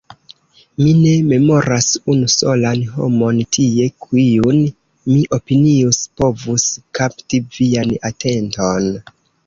Mi ne memoras unu solan homon tie, kiun mi opinius povus kapti vian atenton.